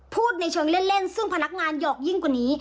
ในเชิงเล่นซึ่งพนักงานหยอกยิ่งกว่านี้